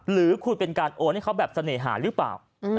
หรือคุณเป็นการโอนให้เขาแบบเสน่หาหรือเปล่า